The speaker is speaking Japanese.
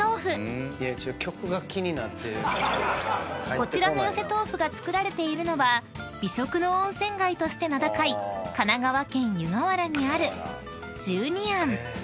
［こちらのよせとうふが作られているのは美食の温泉街として名高い神奈川県湯河原にある］